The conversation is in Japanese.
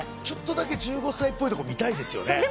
ちょっとだけ１５歳っぽいとこ見たいですよね。